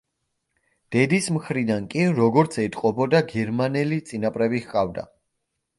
დედის მხრიდან კი, როგორც ეტყობოდა, გერმანელი წინაპრები ჰყავდა.